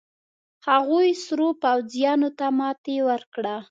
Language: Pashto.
هغوې سرو پوځيانو ته ماتې ورکړه.